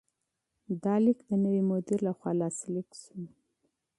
دا لیک د نوي مدیر لخوا لاسلیک شو.